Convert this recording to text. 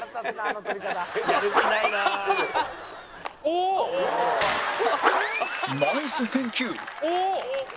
おお！